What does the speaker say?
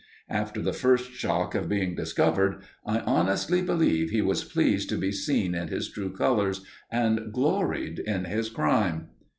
After the first shock of being discovered, I honestly believe he was pleased to be seen in his true colours, and gloried in his crime.